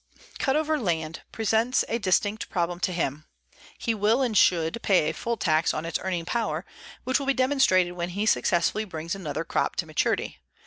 Cutover land presents a distinct problem to him. He will and should pay a full tax on its earning power, which will be demonstrated when he successfully brings another crop to maturity.